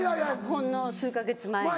ほんの数か月前に。